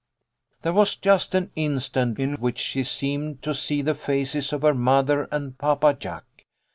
There was just an instant in which she seemed to see the faces of her mother and Papa Jack.